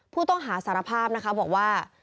ผู้ต้องหาสารภาพนะคะบอกว่า